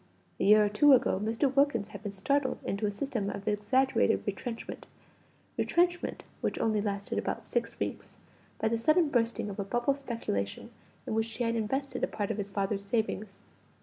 A year or two ago, Mr. Wilkins had been startled into a system of exaggerated retrenchment retrenchment which only lasted about six weeks by the sudden bursting of a bubble speculation in which he had invested a part of his father's savings.